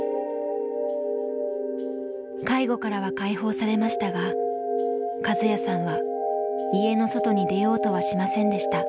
介護からは解放されましたがカズヤさんは家の外に出ようとはしませんでした。